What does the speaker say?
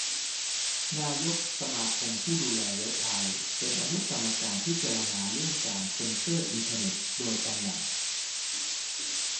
นายกสมาคมผู้ดูแลเว็บไทย เป็น อนุกรรมการพิจารณาเรื่องการเซ็นเซอร์อินเทอร์เน็ต โดยตำแหน่ง